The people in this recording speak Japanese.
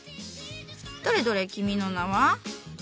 どれどれ君の名は？